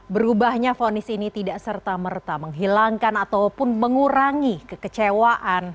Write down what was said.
berubahnya fonis ini tidak serta merta menghilangkan ataupun mengurangi kekecewaan